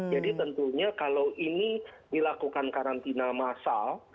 jadi tentunya kalau ini dilakukan karantina massal